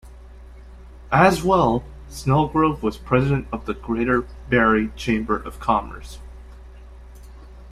As well, Snelgrove was president of the Greater Barrie Chamber of Commerce.